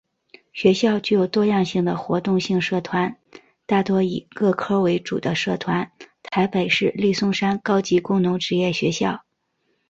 学校具有多样性的活动性社团大多以各科为主的社团台北市立松山高级工农职业学校